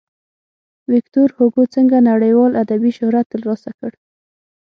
ویکتور هوګو څنګه نړیوال ادبي شهرت ترلاسه کړ.